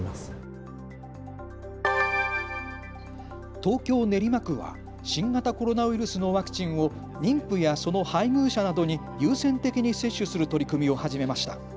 東京練馬区は新型コロナウイルスのワクチンを妊婦やその配偶者などに優先的に接種する取り組みを始めました。